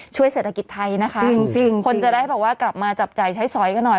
ช่วยเศรษฐกิจไทยนะคะจริงจริงคนจะได้แบบว่ากลับมาจับจ่ายใช้สอยกันหน่อย